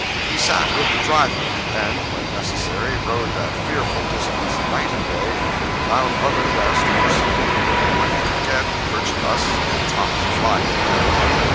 He sat with the driver, and (when necessary) rode that fearful distance, night and day, without other rest or sleep than what he could get perched thus on top of the flying vehicle.